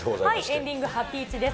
エンディング、ハピイチです。